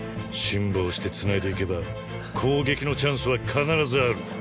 辛抱して繋いでいけば攻撃のチャンスは必ずある。